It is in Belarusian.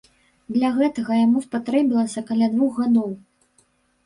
Для гэтага яму спатрэбілася каля двух гадоў.